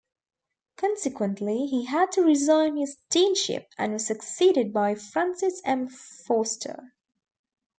Consequently, he had to resign his deanship and was succeeded by Francis M. Forster.